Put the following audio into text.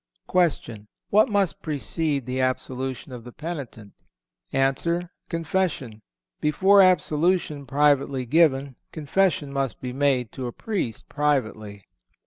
_ Q. What must precede the absolution of the penitent? A. Confession.... Before absolution privately given, confession must be made to a Priest privately.